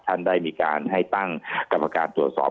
ท่านรองโฆษกครับ